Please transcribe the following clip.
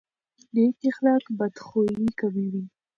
نیک اخلاق بدخويي کموي.